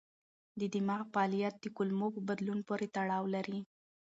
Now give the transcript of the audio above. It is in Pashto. د دماغ فعالیت د کولمو په بدلون پورې تړاو لري.